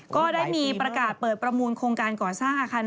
ก็ได้มีประกาศเปิดประมูลโครงการก่อสร้างอาคาร